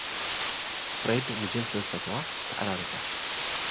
ፍሬድ ንጄን ስለ ዝፈተዋ፡ ተዓራሪኾም።